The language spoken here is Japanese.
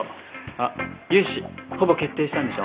あっ融資ほぼ決定したんでしょ？